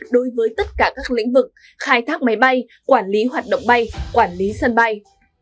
đối với tất cả các lĩnh vực khai thác máy bay quản lý hoạt động bay quản lý sân bay